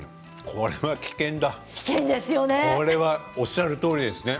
これはおっしゃるとおりですね。